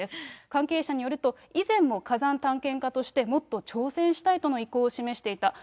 関係者によると、以前も火山探検家として、もっと挑戦したいとの意向を示していた。